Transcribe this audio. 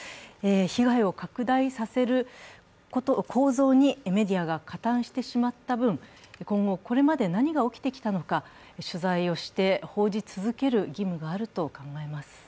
被害を拡大させる構造にメディアが加担してしまった分今後、これまで何が起きてきたのか取材をして報じ続ける義務があると考えます。